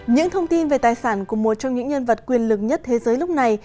những thông tin về tài sản của một trong những nhân vật quyền lực nhất thế giới lúc này